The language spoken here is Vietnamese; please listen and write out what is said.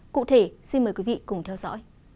cụ thể xin mời quý vị cùng theo dõi